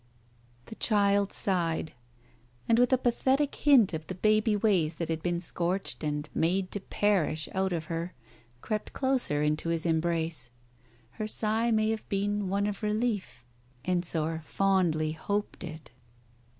... The child sighed, and with a pathetic hint of the baby Digitized by Google 302 TALES OF THE UNEASY ways that had been scorched and made to perish out of her, crept closer into his embrace. Her sigh may have been one of relief, Ensor fondly hoped it.